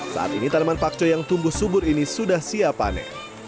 saat ini tanaman pakcoy yang tumbuh subur ini sudah siapane